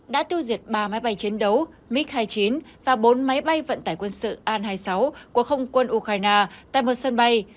đã tiêu diệt ba máy bay chiến đấu mick hai mươi chín và bốn máy bay vận tải quân sự an hai mươi sáu của không quân ukraine tại một sân bay